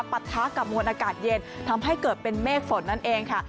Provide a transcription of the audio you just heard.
ปะทะกับมวลอากาศเย็นทำให้เกิดเป็นเมฆฝนนั่นเองค่ะ